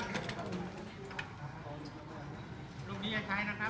ขอขอบคุณหน่อยนะคะ